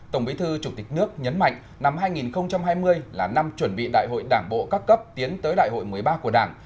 tổng bí thư chủ tịch nước nhấn mạnh năm hai nghìn hai mươi là năm chuẩn bị đại hội đảng bộ các cấp tiến tới đại hội một mươi ba của đảng